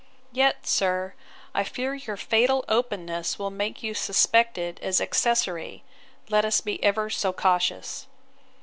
Yet, sir, I fear your fatal openness will make you suspected as accessary, let us be ever so cautious.